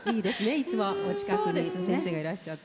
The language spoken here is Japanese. いつもお近くに先生がいらっしゃって。